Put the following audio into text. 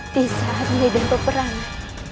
di saat ini ada peperangan